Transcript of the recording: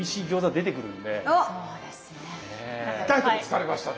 痛いとこ突かれましたね。